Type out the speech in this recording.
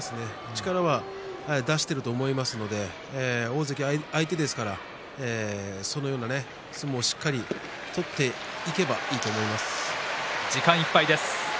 力は出していると思いますので大関相手ですから、そのような相撲をしっかり取っていけばいい時間いっぱいです。